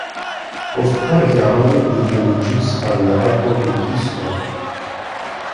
Post kvar jaroj li aliĝis al la akvopilkistoj.